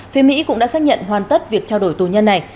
phía mỹ cũng đã xác nhận hoàn tất việc trao đổi tù nhân này